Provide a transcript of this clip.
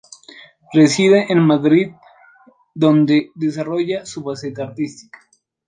Reside en Madrid donde desarrolla su faceta artística.